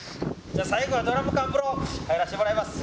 じゃあ最後はドラム缶風呂入らせてもらいます。